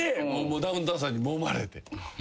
ダウンタウンさんにもまれて。